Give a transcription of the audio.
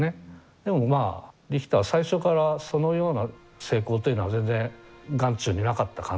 でもまあリヒター最初からそのような成功というのは全然眼中になかった感じですよね。